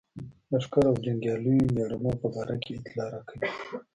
لښکرو او جنګیالیو مېړنو په باره کې اطلاع راکوي.